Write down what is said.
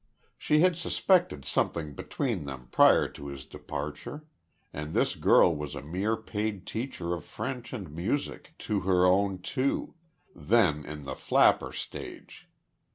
She had suspected something between them prior to his departure; and this girl was a mere paid teacher of French and music to her own two then in the "flapper" stage.